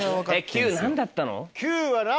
９何だったの？